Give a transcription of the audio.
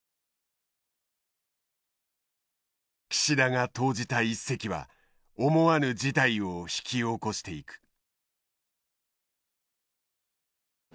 岸田が投じた一石は思わぬ事態を引き起こしていく。